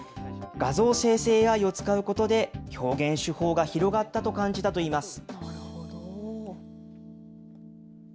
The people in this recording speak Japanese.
画像生成ＡＩを使うことで、表現手法が広がったと感じたといいます。